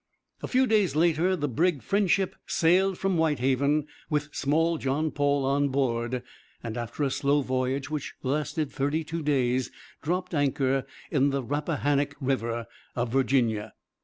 A few days later the brig Friendship sailed from Whitehaven, with small John Paul on board, and after a slow voyage which lasted thirty two days dropped anchor in the Rappahannock River of Virginia.